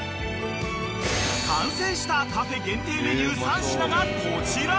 ［完成したカフェ限定メニュー３品がこちら］